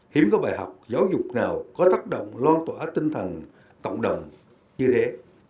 hiếm có bài học giáo dục nào có tác động loan tỏa tinh thần cộng đồng như thế